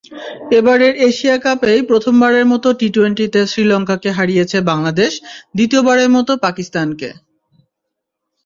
এবারের এশিয়া কাপেই প্রথমবারের মতো টি-টোয়েন্টিতে শ্রীলঙ্কাকে হারিয়েছে বাংলাদেশ, দ্বিতীয়বারের মতো পাকিস্তানকে।